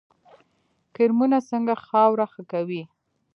کرمونه څنګه خاوره ښه کوي؟